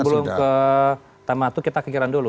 sebelum ke tama to kita ke kiron dulu